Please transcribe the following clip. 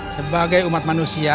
sebagai umat manusia